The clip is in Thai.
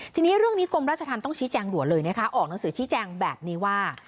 ทีนี้เรื่องนี้กรมราชธรรมต้องชี้แจงด่วนเลยนะคะออกหนังสือชี้แจงแบบนี้ว่า